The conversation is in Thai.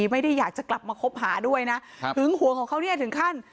ไม่ได้อยากจะกลับมาคบหาด้วยนะหึงหวงของเขาเนี่ยถึงขั้น